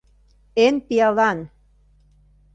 Эн пиалан!